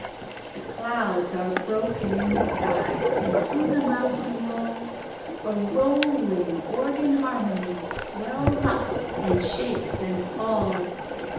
The clouds are broken in the sky, And thro' the mountain walls A rolling organ harmony Swells up, and shakes and falls.